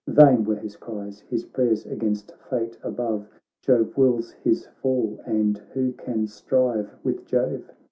Vain were his cries, his prayers 'gainst fate above, Jove wills his fall, and who can strive with Jove